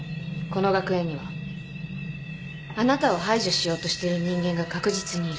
この学園にはあなたを排除しようとしてる人間が確実にいる。